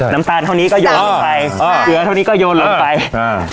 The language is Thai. น้ำตาลเท่านี้ก็โยนลงไปอ๋อเสือเท่านี้ก็โยนลงไปอ่า